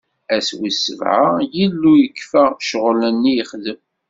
Ass wis sebɛa, Illu yekfa ccɣwel-nni yexdem.